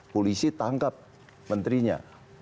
polisi tangkap menterinya